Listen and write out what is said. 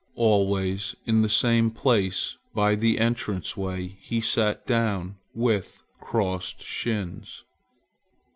Always in the same place by the entrance way he sat down with crossed shins.